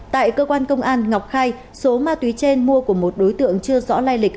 tại cơ quan công an ngọc khai số ma túy trên mua của một đối tượng chưa rõ lai lịch